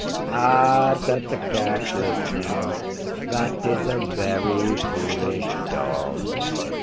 'Ah!' said the Cat, listening. 'That is a very foolish Dog.